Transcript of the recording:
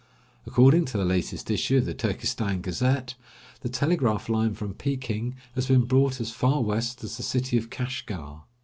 According to the latest issue of the Turkestan 'Gazette,' the telegraph line from Peking has been brought as far west as the city of Kashgar.